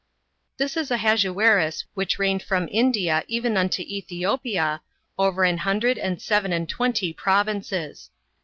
" This is Ahasuerus which reigned from India even unto Etjiiopia, over an hundred and seven and twenty provinces."